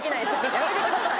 やめてください。